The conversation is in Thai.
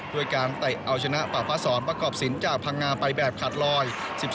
ด้วยการแตะเอาชนะปากฟ้าศรประกอบศิลป์จากพังงาไปแบบขาดลอย๑๒๑